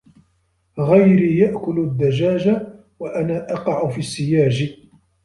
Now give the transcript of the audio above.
غيري يأكل الدجاج وأنا أقع في السياج